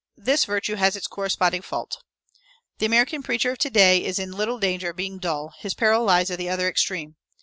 This virtue has its corresponding fault. The American preacher of to day is little in danger of being dull; his peril lies at the other extreme.